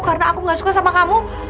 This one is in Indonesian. karena aku gak suka sama kamu